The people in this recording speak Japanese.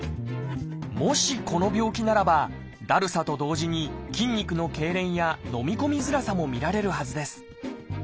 もしこの病気ならばだるさと同時に筋肉のけいれんや飲み込みづらさも見られるはずです。